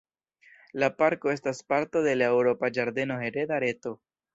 La parko estas parto de la Eŭropa Ĝardeno-Hereda Reto.